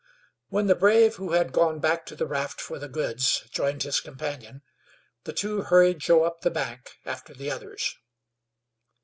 When the brave who had gone back to the raft for the goods joined his companion the two hurried Joe up the bank after the others.